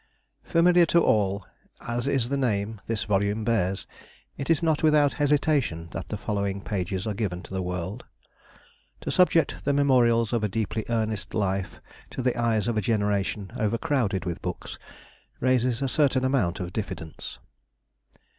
FAMILIAR to all as is the name this volume bears, it is not without hesitation that the following pages are given to the world. To subject the memorials of a deeply earnest life to the eyes of a generation overcrowded with books, raises a certain amount of diffidence.